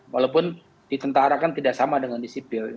walaupun di tentara kan tidak sama dengan di sipil